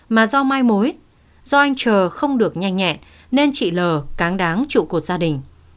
mà do mai mối do anh chờ không được nhanh nhẹn nên chị l cáng đáng trụ cột gia đình